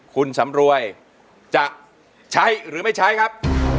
คุณสำรวยจะใช้หรือไม่ใช้ครับ